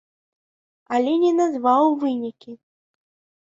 Але не назваў вынікі.